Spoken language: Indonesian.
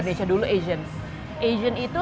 karena kalau kita lihat statistiknya di amerika itu